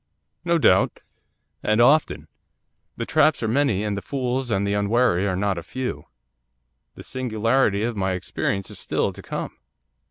No doubt. And often. The traps are many, and the fools and the unwary are not a few. The singularity of my experience is still to come.